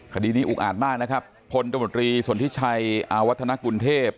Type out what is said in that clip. คดีนี้อุกอาจมากนะครับพลตมตรีสนทิชัยอาวัฒนกุลเทพ